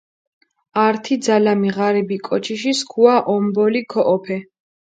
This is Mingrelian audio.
ართი ძალამი ღარიბი კოჩიში სქუა ომბოლი ქოჸოფე.